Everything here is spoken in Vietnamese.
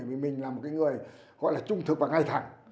vì mình là một cái người gọi là trung thực và ngay thẳng